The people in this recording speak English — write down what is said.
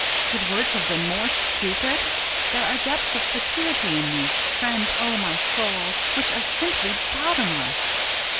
Could words have been more stupid? There are depths of fatuity in me, friend o' my soul, which are simply bottomless!